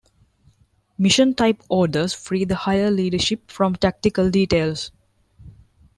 Mission-type orders free the higher leadership from tactical details.